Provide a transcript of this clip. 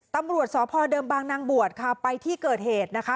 ตำรวจสพเดิมบางนางบวชค่ะไปที่เกิดเหตุนะคะ